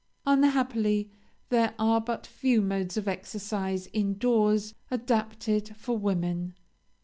Unhappily there are but few modes of exercise in doors adapted for women.